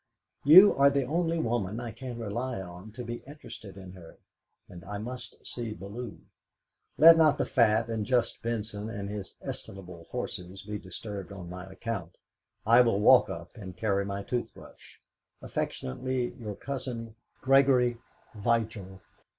You are the only woman I can rely on to be interested in her, and I must see Bellew. Let not the fat and just Benson and his estimable horses be disturbed on my account; I will walk up and carry my toothbrush. "Affectionately your cousin, "GREGORY VIGIL."